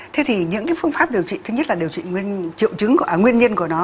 thế thì những phương pháp điều trị thứ nhất là điều trị nguyên nhân của nó